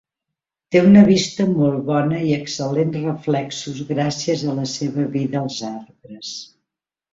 Té una vista molt bona i excel·lents reflexos gràcies a la seva vida als arbres.